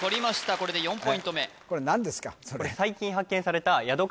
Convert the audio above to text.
これで４ポイント目これ何ですか？